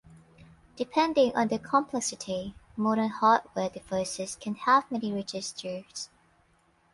Depending on their complexity, modern hardware devices can have many registers.